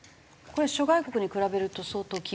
これは諸外国に比べると相当厳しい？